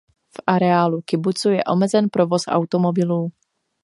V areálu kibucu je omezen provoz automobilů.